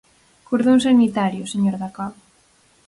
Cordón sanitario, señor Dacova.